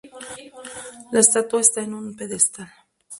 La estatua está en un pedestal.